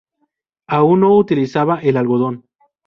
Aún no utilizaba el algodón.